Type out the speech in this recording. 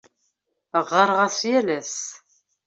Ɣɣareɣ-as yal ass.